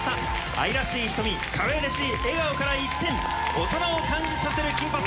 愛らしい瞳かわいらしい笑顔から一転大人を感じさせる金髪。